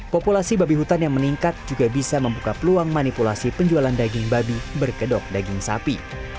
populasi babi hutan yang meningkat juga bisa membuka peluang manipulasi penjualan daging babi berkedok daging sapi